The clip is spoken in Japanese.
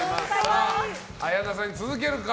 綾菜さんに続けるか。